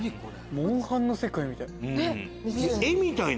『モンハン』の世界みたい。